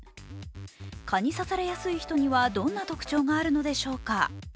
蚊に刺されやすい人にはどんな特徴があるのでしょうか？